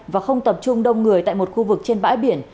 và không tập trung đông người tại một khu vực trên bãi biển